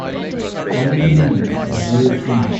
Find the movies at the nearest cinema.